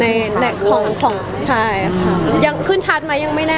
แต่จริงแล้วเขาก็ไม่ได้กลิ่นกันว่าถ้าเราจะมีเพลงไทยก็ได้